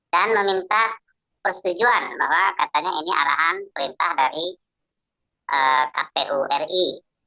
dan meminta persetujuan bahwa katanya ini arahan perintah dari kpu ri